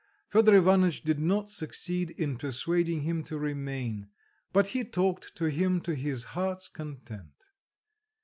Fedor Ivanitch did not succeed in persuading him to remain; but he talked to him to his heart's content.